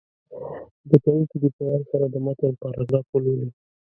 زده کوونکي دې په وار سره د متن پاراګراف ولولي.